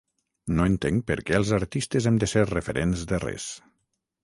No entenc per què els artistes hem de ser referents de res.